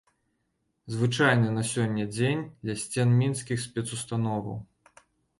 Звычайны на сёння дзень ля сцен мінскіх спецустановаў.